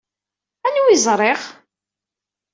Anwa i ẓṛiɣ?